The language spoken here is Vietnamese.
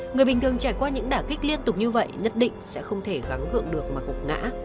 người bình thường trải qua những đả kích liên tục như vậy nhất định sẽ không thể gắng gượng được mà gục ngã